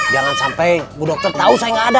jangan sampai bu dokter tau saya gak ada